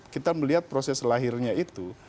kita melihat proses lahirnya itu